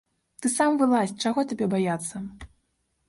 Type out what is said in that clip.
Ты сам вылазь, чаго табе баяцца?